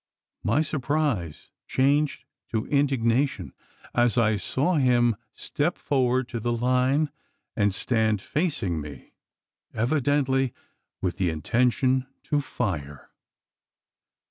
My surprise changed to indignation as I saw him step forward to the line, and stand facing me evidently with the intention to fire!